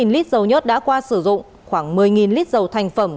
một mươi lít dầu nhất đã qua sử dụng khoảng một mươi lít dầu thành phẩm